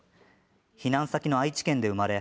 避難先の愛知県で生まれ